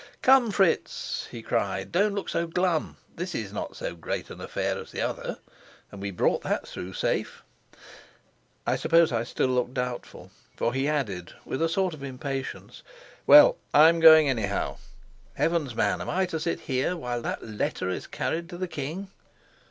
"Come, Fritz," he cried, "don't look so glum. This is not so great an affair as the other, and we brought that through safe." I suppose I still looked doubtful, for he added, with a sort of impatience, "Well, I'm going, anyhow. Heavens, man, am I to sit here while that letter is carried to the king?"